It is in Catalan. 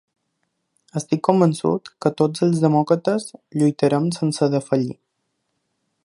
Estic convençut que tots els demòcrates lluitarem sense defallir.